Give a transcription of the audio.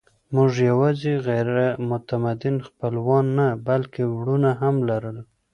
موږ یواځې غیر متمدن خپلوان نه، بلکې وروڼه هم لرل.